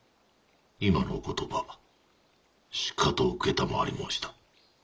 ・今のお言葉しかと承り申した。